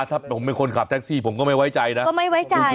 ถ้าผมเป็นคนขับแท็กซี่ผมก็ไม่ไว้ใจนะก็ไม่ไว้ใจ